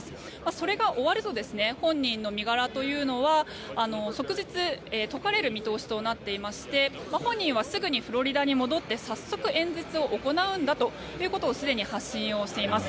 それが終わると本人の身柄というのは即日、解かれる見通しとなっていまして本人は、すぐにフロリダに戻って早速演説を行うんだということをすでに発信しています。